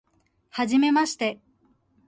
はじめまして